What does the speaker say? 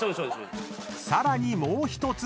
［さらにもう１つ］